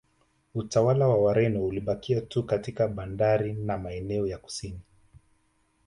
Utawala wa Wareno ulibakia tu katika bandari na maeneo ya kusini